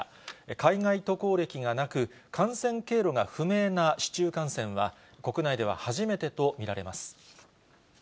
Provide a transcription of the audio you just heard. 海外渡航歴がなく、感染経路が不明な市中感染は、国内では初めてと見られます。